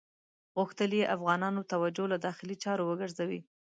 غوښتل یې افغانانو توجه له داخلي چارو وګرځوي.